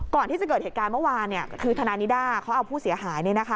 ก่อนที่จะเกิดเหตุการณ์เมื่อวานคือทนายนิด้าเขาเอาผู้เสียหาย